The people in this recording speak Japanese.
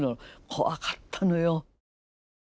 怖かったのよ。